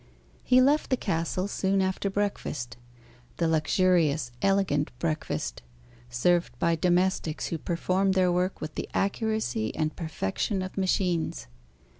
He left the castle soon after breakfast the luxurious, elegant breakfast, served by domestics who performed their work with the accuracy and perfection of machines.